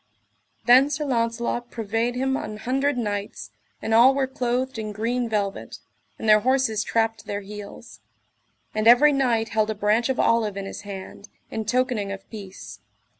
Then Sir Launcelot purveyed him an hundred knights, and all were clothed in green velvet, and their horses trapped to their heels; and every knight held a branch of olive in his hand, in tokening of peace.